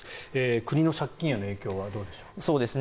国の借金への影響はどうでしょうか。